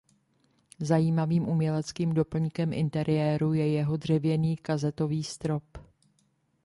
Zajímavým uměleckým doplňkem interiéru je jeho dřevěný kazetový strop.